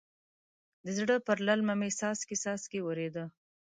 د زړه پر للمه مې څاڅکی څاڅکی ورېده.